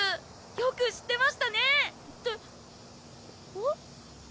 よく知ってましたねってえっ？